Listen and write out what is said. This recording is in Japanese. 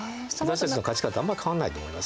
私たちの価値観とあんま変わんないと思います。